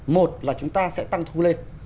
một là chúng ta sẽ tăng thu lên